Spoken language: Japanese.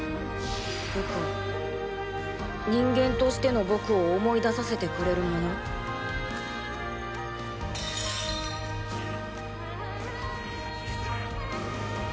僕を人間としての僕を思い出させてくれるもの？・・シン！